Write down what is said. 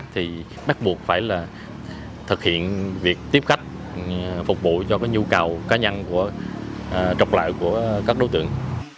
thì bắt buộc phải thực hiện việc tiếp khách phục vụ cho nhu cầu cá nhân trọc lợi của các đối tượng